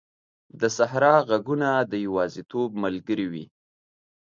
د صحرا ږغونه د یوازیتوب ملګري وي.